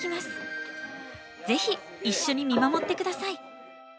ぜひ一緒に見守って下さい。